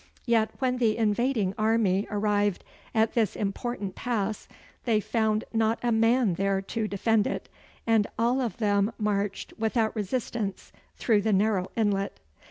Yet when the invading army arrived at this important pass, they found not a man there to defend it, and all of them marched without resistance through the narrow inlet.